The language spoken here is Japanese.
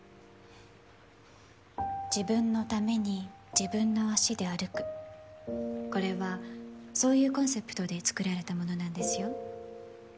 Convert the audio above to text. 自分のために自分の足で歩くこれはそういうコンセプトで作られたものなんですよ